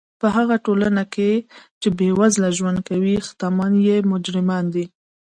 په هغه ټولنه کښي، چي بېوزله ژوند کوي، ښتمن ئې مجرمان يي.